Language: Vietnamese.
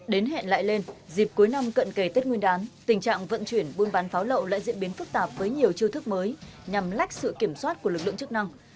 đến hẹn lại lên dịp cuối năm cận kề tết nguyên đán tình trạng vận chuyển buôn bán pháo lậu lại diễn biến phức tạp với nhiều chiêu thức mới nhằm lách sự kiểm soát của lực lượng chức năng